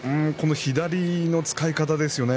左の使い方ですね。